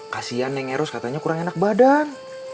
kasian neng erus katanya kurang enak badan